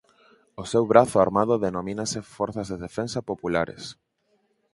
O seu brazo armado denomínase Forzas de Defensa Populares.